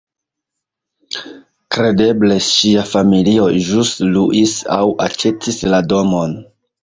Kredeble ŝia familio ĵus luis aŭ aĉetis la domon.